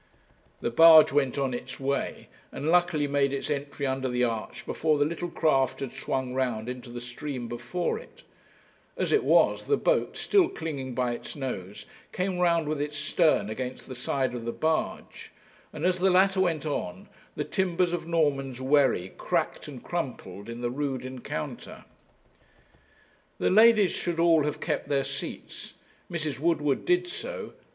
The barge went on its way, and luckily made its entry under the arch before the little craft had swung round into the stream before it; as it was, the boat, still clinging by its nose, came round with its stern against the side of the barge, and as the latter went on, the timbers of Norman's wherry cracked and crumpled in the rude encounter. The ladies should all have kept their seats. Mrs. Woodward did do so.